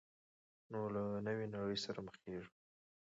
نو له نوې نړۍ سره مخېږو.